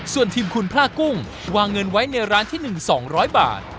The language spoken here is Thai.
ส่วนทีมคุณพลากุ้งวางเงินไว้ในร้านที่๑๒๐๐บาท